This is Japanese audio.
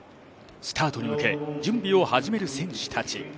スタートに向け、準備を始める選手たち。